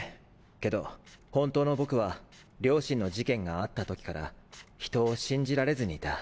けど本当の僕は両親の事件があった時から人を信じられずにいた。